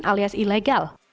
alias tidak berizin